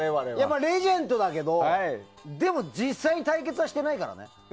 レジェンドだけどでも実際に対決はしてないからね。